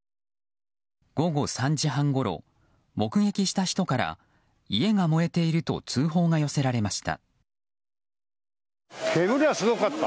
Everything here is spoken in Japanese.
午後３時半ごろ、目撃した人から家が燃えていると通報が寄せられました。